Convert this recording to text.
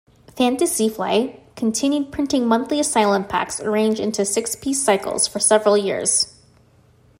Fantasy Flight continued printing monthly Asylum Packs, arranged into six-piece cycles, for several years.